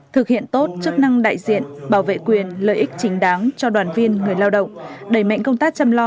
thực hiện tốt chức năng đại diện bảo vệ quyền lợi ích chính đáng cho đoàn viên người lao động đẩy mạnh công tác chăm lo